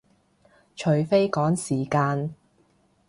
除非趕時間